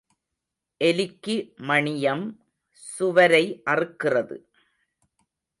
எலிக்கு மணியம், சுவரை அறுக்கிறது.